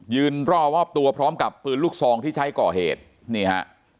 รอมอบตัวพร้อมกับปืนลูกซองที่ใช้ก่อเหตุนี่ฮะ